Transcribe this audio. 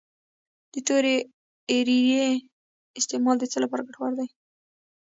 د تورې اریړې استعمال د څه لپاره ګټور دی؟